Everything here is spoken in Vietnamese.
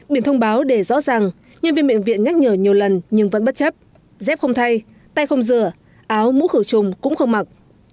biển thông báo để rõ ràng nhân viên bệnh viện nhắc nhở nhiều lần nhưng vẫn bất chấp dép không thay tay không rửa áo mũ khử trùng cũng không mặc